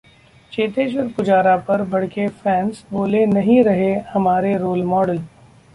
चेतेश्वर पुजारा पर भड़के फैंस, बोले- नहीं रहे हमारे रोल मॉडल